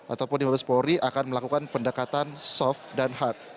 ataupun di mabes polri akan melakukan pendekatan soft dan hard